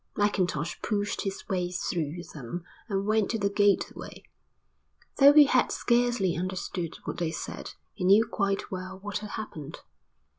Mackintosh pushed his way through them and went to the gateway. Though he had scarcely understood what they said he knew quite well what had happened.